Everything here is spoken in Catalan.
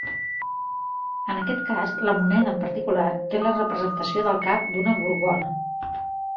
En aquest cas, la moneda en particular té la representació del cap d'una Gorgona.